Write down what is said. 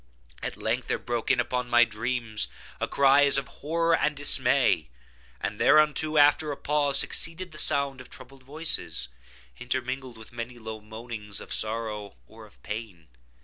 At length there broke in upon my dreams a cry as of horror and dismay; and thereunto, after a pause, succeeded the sound of troubled voices, intermingled with many low moanings of sorrow or of pain.